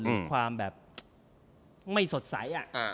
หรือความแบบไม่สดใสอ่ะ